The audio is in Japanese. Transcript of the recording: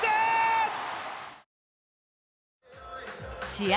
試合